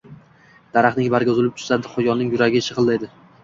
daraxtning bargi uzilib tushsa quyonning yuragi shig’illaydi